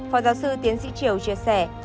phó giáo sư tiến sĩ triều chia sẻ